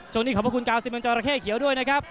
จริงขอบคุณกาวซิมจอร์ระเข้เขียวด้วยนะครับ